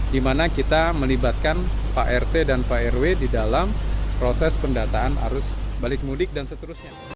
dimana kita melibatkan pak rt dan pak rw di dalam proses pendataan arus balik mudik dan seterusnya